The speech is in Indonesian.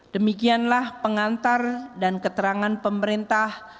demikianlah pengantar dan keterangan pemerintah